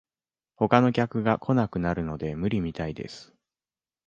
他の客が来なくなるので無理みたいです